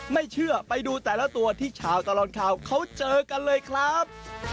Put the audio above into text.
ไม่เชื่อไปดูแต่ละตัวที่ชาวตลอดข่าวเขาเจอกันเลยครับ